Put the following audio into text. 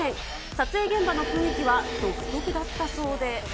撮影現場の雰囲気は独特だったそうで。